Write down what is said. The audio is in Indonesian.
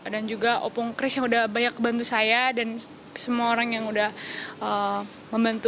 dan juga opung chris yang udah banyak bantu saya dan semua orang yang udah membantu